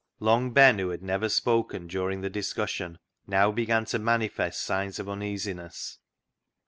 Long Ben, who had never spoken during the discussion, now began to manifest signs of uneasiness.